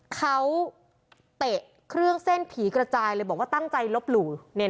เขาเตะเครื่องเส้นผีกระจายเลยบอกว่าตั้งใจลบหลู่